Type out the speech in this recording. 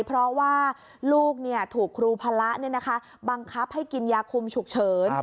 เพราะว่าลูกถูกครูพระบังคับให้กินยาคุมฉุกเฉิน